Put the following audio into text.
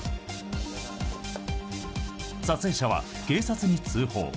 撮影者は警察に通報。